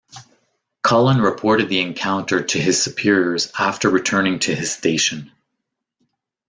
Cullen reported the encounter to his superiors after returning to his station.